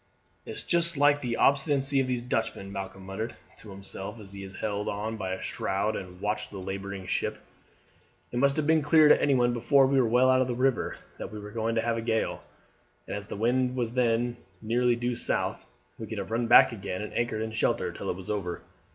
"It's just like the obstinacy of these Dutchmen," Malcolm muttered to himself as he held on by a shroud and watched the labouring ship. "It must have been clear to anyone before we were well out of the river that we were going to have a gale, and as the wind then was nearly due south, we could have run back again and anchored in shelter till it was over.